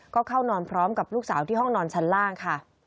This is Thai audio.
ก็เข้านอนพร้อมกับลูกสาวที่ห้องนอนชั้นล่างค่ะ